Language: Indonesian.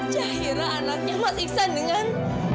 jahira anaknya mas iksan dengan